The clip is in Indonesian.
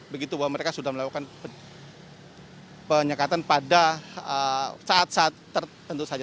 begitu bahwa mereka sudah melakukan penyekatan pada saat saat tertentu saja